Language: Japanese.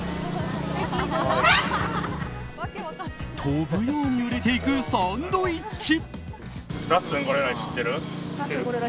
飛ぶように売れていくサンドイッチ。